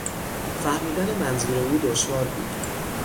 فهمیدن منظور او دشوار بود.